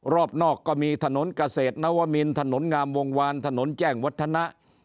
รอบนอกก็มีถนนเกษตรนวมินถนนงามวงวานถนนแจ้งวัฒนะ